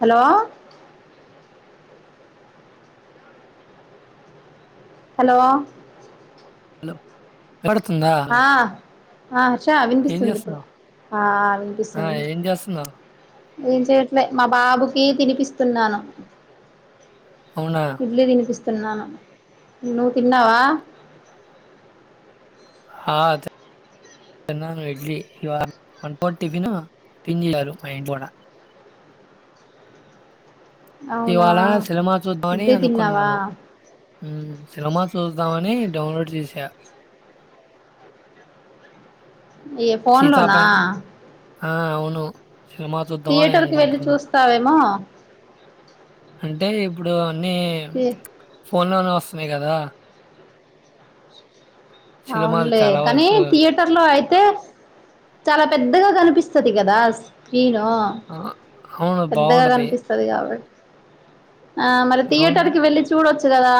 Hello hello హో [unintelligible] పడుతుందా ఆ ఆ హర్ష వినిపిస్తుంది ఇప్పుడు ఆ ఆ ఆ! వినిపిస్తంది ఏం చేస్తున్నావు? ఏం చెయట్లే మా బాబుకి తినిపిస్తున్నాను అవునా! ఇడ్లీ తినిపిస్ తిన్నాను నువ్వు తిన్నావా ఆ తీ తిన్నాను ఇడ్లీ ఇ వాల్ one four tiffin తినిలారు [unintelligible] my bonda అవునా ఇవాళ సిలామా చూద్దామని ఇడ్లీ తిన్నావా అనుకున్నాను ఉమ్ సినమా చూద్దామని డౌన్లోడ్ చేసా ఏ ఫోన్ లోనా ఆ అవును సినిమా చూద్దామని థియేటర్ కి వెళ్ళి అనుకుంటున్నా. చూస్తావేమో అంటే ఇప్పుడు నీ ఫోన్లోనే వస్తున్నాయి కదా సినిమాలు అవునులే చాలా కానీ వరకు. థియేటర్ లో అయిత్ తే చాలా పెద్దగా కనిపిస్తది కదా స్క్రీన్ ఆ అవును పెద్దగా బావుంటది. కనిపిస్తది కాబట్ ఆ మరి అవును. థియేటర్ కి వెళ్ళి చూడొచ్ కదా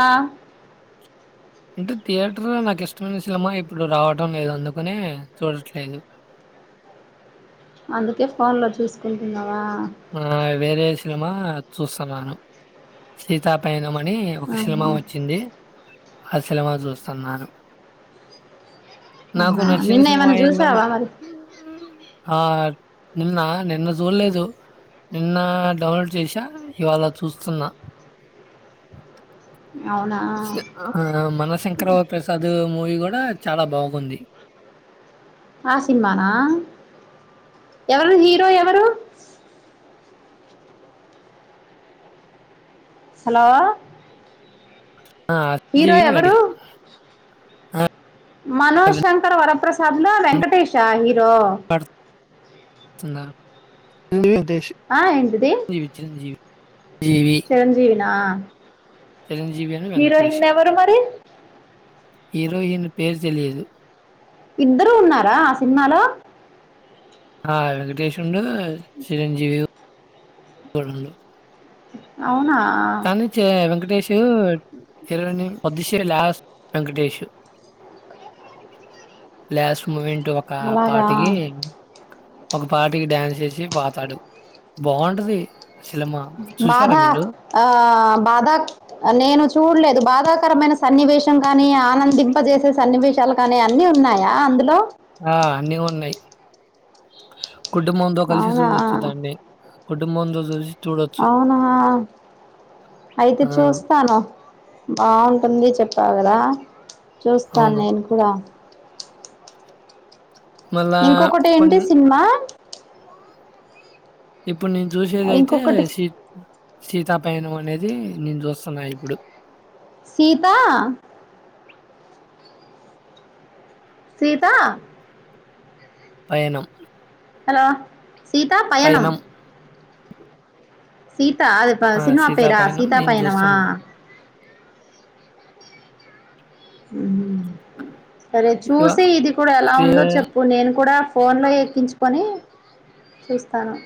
అం త్ థియేటర్ లో నాకు ఇష్టమైన సినిమా ఇప్పుడు రావడం లేదు అందుకనే చూడట్లేదు అందుకే ఫోన్ లో చూసి ఆ వేరేస చూస్తున్నాను సీత పైన మ అని ఒక సినిమా ఆహా వచ్చింది అ సినిమా చూస్తున్నాను నాకు అహా నచ్చిన నిన్న సినిమా ఏమన్నా ఏందం చూసావా మరి ఆ నిన్న నిన్న చూడలేదు నిన్న డౌన్లోడ్ చేసా ఇవాళ చూస్తున్నా అవునా ఆ మన శంకర వరప్రసాద్ మూవి చాలా బాగుంది ఆ సినిమానా ఎవరు హీరో ఎవరు హలో ఆ! హీరో 'చిరంజీవి' ఎవరు వెంకటేష్. ఆ! మనోజ్ శంకర్ వరప్రస సద్లా వెంకటేశ ఇ జో అండి ష్ ఆ ఏంటిది చి చిరంజీవి జీవి చిరంజీవినా చిరంజీవి అను, వెంకటేష్. హిరోయిన్ ఎవరు మరి హీరోయిన్ పేరు తెలియదు ఇద్దరు ఉన్నారా ఆ సినిమాలో ఆ వెంకటేష్ ఉండాడు చిరంజీవి ఉండు అవునా కాని చే వెంకటేష్ ను ఇర అదిశే లాస్ వెంకటేష్ లాస్ట్ మూమె ట్ ఒక పాటికి అలాగా ఒక పాటికి డాన్స్ చేసి పాతాడు బాగుంటది సినిమా బాధ చూసారా మీలు ఆ బాధా నేను చూడలేదు బాధాకరమైన సన్నివేశం కానీ ఆనందింపజేసే సన్నివేశాలు కానీ అన్ని ఉన్నాయా అందులో ఆ అన్నీ ఉన్నాయి కుటుంబంతో కలిసి అవునా చూడొచ్చుదండి కుటుంబంతో చూసి చూడొచ్చు. అవునా అయితే ఆ! చూస్తాను బాగుంటుంది చెప్పా కదా చూస్తాను అవును. నేను కూడా మళ్ళా ఇంకొకటి కొన్ ఏంటి సినిమా ఇప్పుడు నేను చూసేదైతే ఇంకొకటి సీ సీత పైన అనేది నేను చూస్తున్నా ఇప్పుడు సీత సీతా పయణం హలో సీతా పయణం సీతా అది ప ఆ! సినిమా పేరా సీతాపయనం సీతా నేను పయణమా చూస్తున్నా. ఉమ్ సరే ఇవ చూసి ఇది కూడా ఎలా రే ఉందో చెప్పు నేను కూడా ఫోన్లో ఎక్కించుకొని చూస్తాను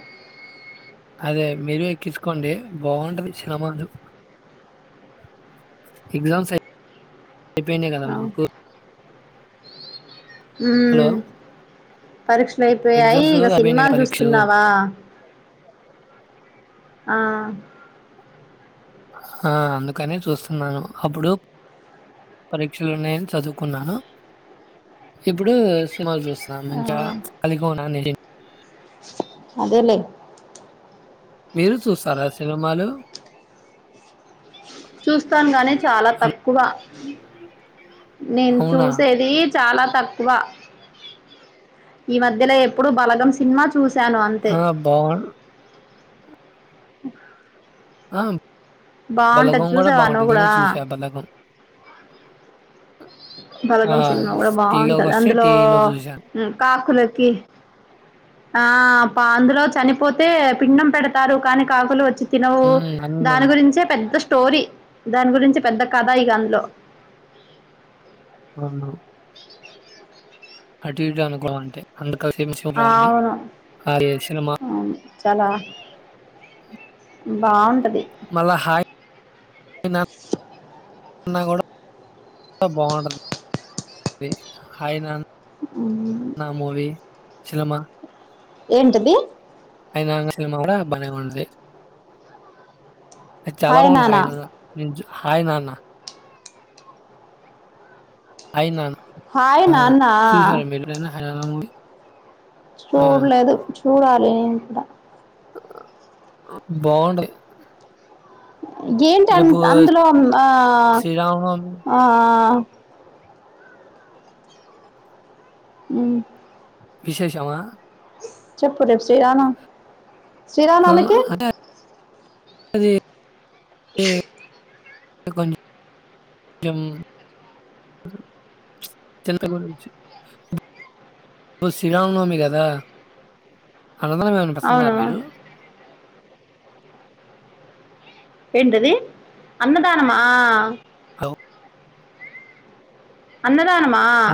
అదే మీరు ఎక్కించుకోండి బాగుంటది సినిమాలు ఎగ్జామ్స్ అయ్ అయిపోయినయి కదా మాకు హలో! మ్మ్ పరీక్షలు అయిపోయాయి ఎగ్జామ్స్ ఇక అయిపోయినాయి సినిమాలు కదా పరీక్షలు. చూస్తున్నావా ఆ ఆ అందుకనే చూస్తున్నాను అప్పుడు పరీక్షలు ఉన్నాయి అని చదువుకున్నాను ఇప్పుడు చు సినిమా చూస్తున్నాం ఇంకా కలికోనాన్ని అదేలేే మీరు చూస్తారా సినిమాలు చూస్తాను గానీ చాలా హలో! తక్కువ. అన్ నేను అవునా! చూసేది చెప్ చాలా తక్కువ ఈ మధ్యలో ఎప్పుడు బలగం సినిమా చం చూశాను అంతే. ఆ! బావుం ఇకా ఆం బలగం కూడా చూసావా నువ్వు బాగుంటుంది కూడా నేను చూసా బలగం ఆ! బలగం సినిమా కూడా బాగుంటది టీలోకొస్తే అందులో టీవీలో చూశాను. మ్ కాకులకి ఆ పా అందులో చనిపోతే పిండం పెడతారు కానీ కాకులు వచ్చి తినవు హ్మ్. అందం దాని గురించే పెద్దస్ స్టోరీ దాని గురించి పెద్ద కథ ఈగ అందులో ఉమ్మ్ అటు ఇటు అనుకూవ అంతే అందు అవును సినిమా. మ్ చాల బావుం మలా హాయనా న్నా కూడా చ బాగుంటది అయిన హుమ్ చెల్లమ్మ ఏంటది హాయ్ నాన్న సినిమా కూడా బలే ఉంది చాల హాయ్ మ నాన్న హనాఎంచ్ హయ్ నాన్న హాయ్ హాయ్ నాన్న ఆ నాన్న చూసారు మీరు హయ్ నాన్న మూవీ ఆ! చూడలేదు చూడాలి నేను కూడా బాగుండయి ఏంటి అ అందులో ఆ శ్రీరామనవమి ఆ హు విశేషమా చెప్పు రేపు శ్రీరామనవమి శ్రీరామనవమికీ అదే అంటే కొం చెం శ్రీరామనవమి కదా అన్నదానం జరిపిస్తున్నార అవును మీరు ఏంటది అన్నదానమా హలో అన్నదానమా అ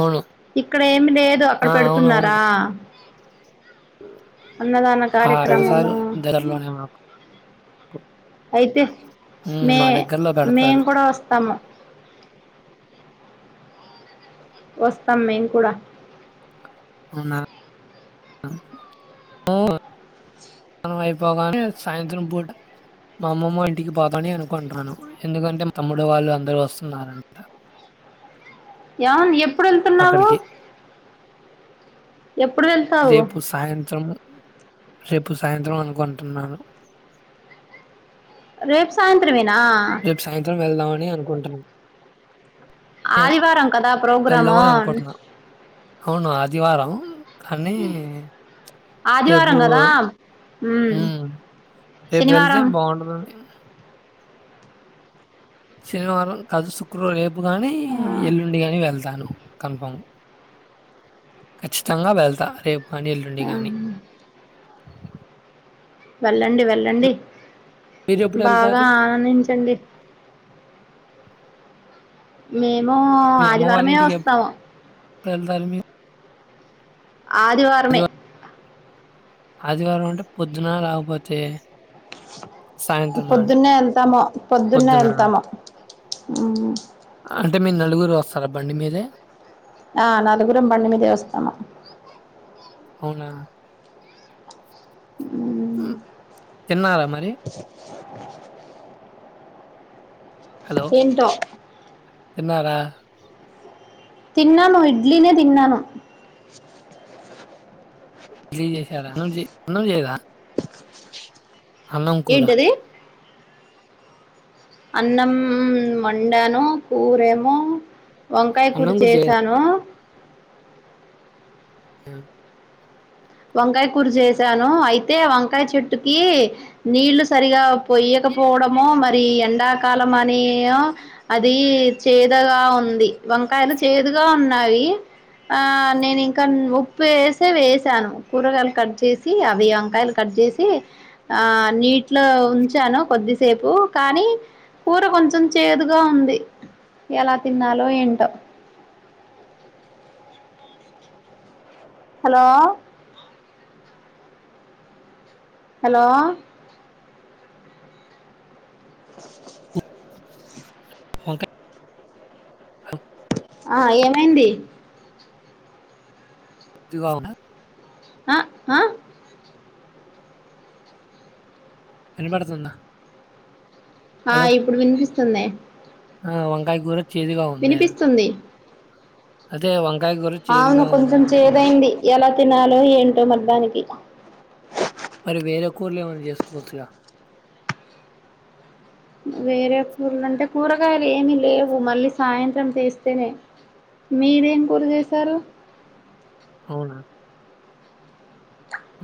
అవును. ఇక్కడ ఏమి లేదు అక్కడ ఆ! అవునవును. పెడుతున్నారా అన్నదాన ఆ! పెడతారు కార్యక్రమము దగ్గరలోనే మాకు. అయితే హ్మ్. మే మా దగ్గరలో మేము పెడతారు. కూడా వస్తాము వస్తాం మేమ్ కూడా అవున్ననం అయిపోగానే సాయంత్రం పూట మా అమ్మమ్మ ఇంటికి పోతాని అనుకుంటున్నాను ఎందుకంటే మా తమ్ముడు వాళ్ళు అందరూ వస్తున్నారంట యావన్ ఎప్ అక్కడికి ఎప్పుడు వెళ్తావు రేపు సాయంత్రం రేపు సాయంత్రం అనుకుంటున్నాను రేపు సాయంత్రమే రేపు సాయంత్రం వెళ్దామన్ అని అనుకుంటున్నాను ఆదివారం కదా ప్రోగ్రాము వెళ్దామని అనుకుంటున్నా అవును ఆదివారం కానీ రేపు ఆదివారం కదా మ్మ్ మ్ రేపు వెళ్తే శనివారం బాగుంటుందని శనివారం కాదు శుక్రవారం రేపు పు గాని ఆ ఎల్లుండిగానీ వెళ్తా దాను కన్ఫాం ఖచ్చితంగా వెళ్తా రేపు కానీ ఎల్లుండి గానీ వెళ్ళండి వెళ్ళండి మీరు ఎప్పుడు బాగా వెళ్తారు ఆనందించండి మే మో ఆదివారమే వస్తాము పెల్దా అలిమి ఆదివారమే ఆదివారం అంటే పొద్దున లేకపోతే సాయంత్రం అని పొద్దున్నే వెళ్తాము పొద్దున్నే పొద్దున వెళ్తాము ఉమ్ అంటే మీరు నలుగురు వస్తార బండి మీదే ఆ నలుగురం బండి మీదే వస్తాము అవునా ఉమ్, తిన్నారా మరి మ్ హలో ఏంటో తిన్నారా? తిన్నాను ఇడ్లీనే తిన్నాను ఇడ్లీ చేసారా అన్నం అన్నం చెయ్యలేదా అన్నం కూరా ఏంటది అన్నం వండాను కూరేమో వంకాయ కూర అన్నం చేయదా చేసాను మ్ వంకాయ కూర చేసాను అయితే వంకాయ చెట్టుకి నీళ్లు సరిగా పొయ్యొక పోవడమో మ అది ఎండాకాలం అనిో అది చేదుగా ఉంది వంకాయలు చేదుగా ఉన్నవి ఆ నేను ఇంకా ఉప్పు వేసి వేసాను కూరగాయలు కట్ చేసి అవి వంకాయలు కట్ చేసి ఆ నీటిలో ఉంచాను కొద్దిసేపు కానీ కూర కొంచెం చేదుగా ఉంది ఎలా తిన్నాలో ఏంటో హలో హలో ఆ వంకాయ ఆ ఏమైంది ఇగావునా ఆ ఆా వినిపడుతుందా ఆ ఇప్పుడు వినిపిస్తు సున్నా ఆ వంకాయ గుర చేదుగా ఉంది వినిపిస్తుంది అదే వా అవును కొంచెం చేదైంది ఎలా పద్నాాలుగు ఏంటో మధధనికి మరి వేరే కూరలు ఏమైన్నా చేసుకోవచ్చుగా వేరే కూరలు అంటే కూరగాయలు ఏమిీ లేవు మళ్ళీ సాయంత్రం తీస్తేనే మీరేం కూర చేసారు అవునా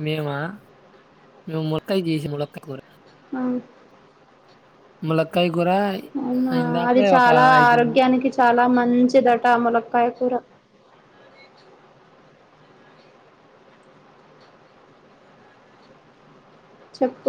మేము మేము ముక్కయ చేసి ములకాయ కూర అవు మల కాయ అవునా అది చాలా ఐదు నిమి ఆరోగ్యానికి చాలా మంచి అంచిదట ములక్కయ కూూర చెప్పు